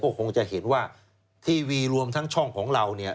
ก็คงจะเห็นว่าทีวีรวมทั้งช่องของเราเนี่ย